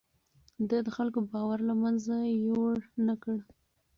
ده د خلکو باور له منځه يووړ نه کړ.